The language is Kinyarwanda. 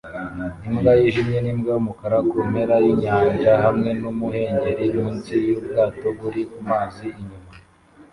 Imbwa yijimye nimbwa yumukara kumpera yinyanja hamwe numuhengeri munsi yubwato buri kumazi inyuma